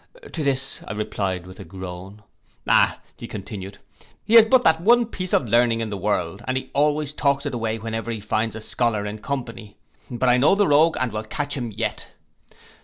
To this I replied with a groan. 'Aye,' continued he, 'he has but that one piece of learning in the world, and he always talks it away whenever he finds a scholar in company; but I know the rogue, and will catch him yet.